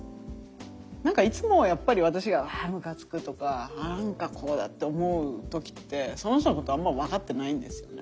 何かいつもやっぱり私があむかつくとか何かこうだって思う時ってその人のことあんまり分かってないんですよね。